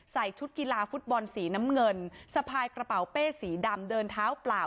ชุดกีฬาฟุตบอลสีน้ำเงินสะพายกระเป๋าเป้สีดำเดินเท้าเปล่า